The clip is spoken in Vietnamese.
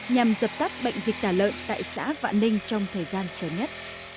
nhằm dập tắt bệnh dịch tả lợn tại xã vạn ninh trong thời gian sớm nhất